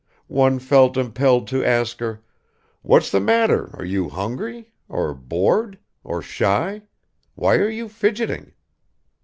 One felt impelled to ask her, "What's the matter, are you hungry? Or bored? Or shy? Why are you fidgeting?"